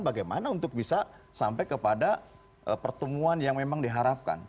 bagaimana untuk bisa sampai kepada pertemuan yang memang diharapkan